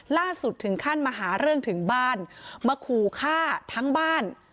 ล่าสุดถึงขั้นมาหาเรื่องถึงบ้านมาขู่ฆ่าทั้งบ้าน